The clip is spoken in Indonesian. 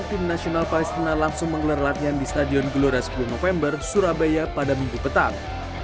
tim nasional palestina langsung menggelar latihan di stadion gelora sepuluh november surabaya pada minggu petang